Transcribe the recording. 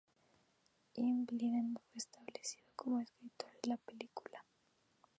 Jamie Linden fue establecido como escritor la película.